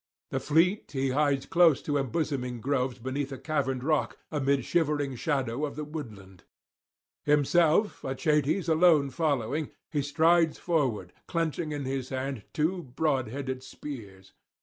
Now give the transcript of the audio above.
The fleet he hides close in embosoming groves beneath a caverned rock, amid shivering shadow of the woodland; himself, Achates alone following, he strides forward, clenching in his hand two broad headed spears.